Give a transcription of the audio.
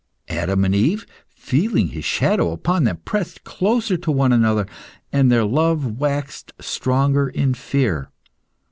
Adam and Eve, feeling his shadow upon them, pressed closer to one another, and their love waxed stronger in fear.